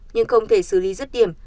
nhưng không thể xử lý rứt điểm